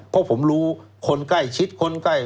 เพราะผมรู้คนใกล้ชิดคนใกล้